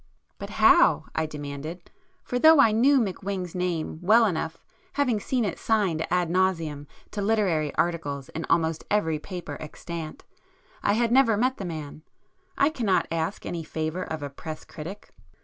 "But how?" I demanded, for though I knew McWhing's name well enough having seen it signed ad nauseam to literary articles in almost every paper extant, I had never met the man; "I cannot ask any favour of a press critic."